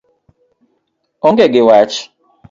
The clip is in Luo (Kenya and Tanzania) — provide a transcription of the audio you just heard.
Onge gi wach.